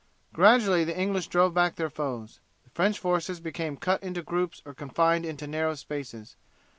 Gradually the English drove back their foes. The French forces became cut up into groups or confined into narrow spaces.